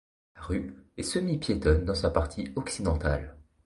La rue est semi-piétonne dans sa partie occidentale.